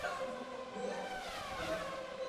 زه مخکي سبزېجات جمع کړي وو!